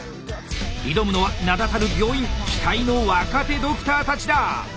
挑むのは名だたる病院期待の若手ドクターたちだ！